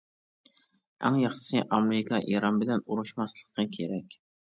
ئەڭ ياخشىسى ئامېرىكا ئىران بىلەن ئۇرۇشماسلىقى كېرەك.